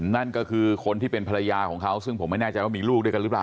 นั่นก็คือคนที่เป็นภรรยาของเขาซึ่งผมไม่แน่ใจว่ามีลูกด้วยกันหรือเปล่า